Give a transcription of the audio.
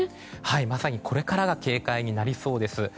まさにこれからが警戒になりそうです。